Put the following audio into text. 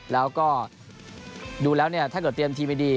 แล้วก็ดูแล้วถ้าเกิดเตรนทีมไม่ดี